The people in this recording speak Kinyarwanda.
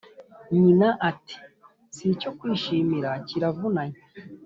nyina ati"sicyo kwishimira kiravunanye"